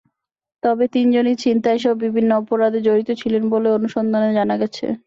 তবে তিনজনই ছিনতাইসহ বিভিন্ন অপরাধে জড়িত ছিলেন বলে অনুসন্ধানে জানা গেছে।